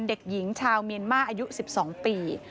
เด็กหญิงชาวเมียนมาอายุ๑๒ปี